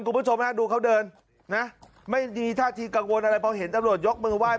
คุณผู้ชมฮะดูเขาเดินนะไม่มีท่าทีกังวลอะไรพอเห็นตำรวจยกมือไห้